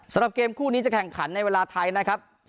สำหรับเกมคู่นี้จะแข่งขันในเวลาไทยนะครับ